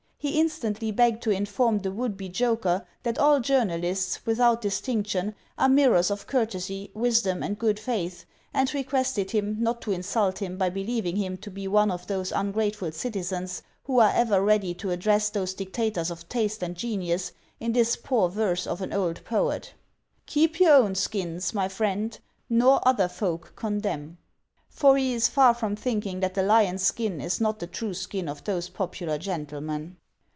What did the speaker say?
He instantly begged to inform the would be joker that all journalists, without distinc tion, are mirrors of courtesy, wisdom, and good faith, and requested him not to insult him by believing him to be one of those ungrateful citizens who are ever ready to ad dress those dictators of taste and genius in this poor verse of an old poet, —" Keep your own skins, my friends, nor other folk condemn," 1 Koran. 10 PREFACE TO THE SECOND EDITION. for he is far from thinking that the lion's skin is not the true skin of those popular gentlemen.